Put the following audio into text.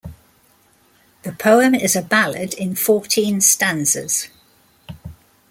The poem is a ballad in fourteen stanzas.